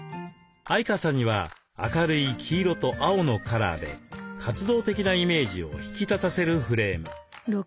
相川さんには明るい黄色と青のカラーで活動的なイメージを引き立たせるフレーム。